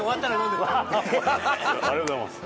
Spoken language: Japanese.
ありがとうございます。